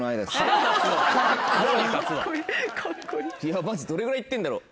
マジどれぐらい行ってんだろう？